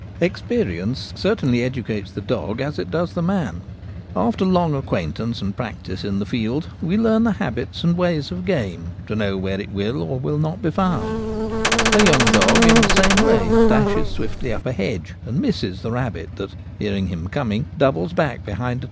Experience certainly educates the dog as it does the man. After long acquaintance and practice in the field we learn the habits and ways of game — to A Fishing Pointer. 95 r ' know where it will or not be found. A young dog in the same way dashes swiftly up a hedge, and misses the rabbit that, hearing him coming, doubles back behind a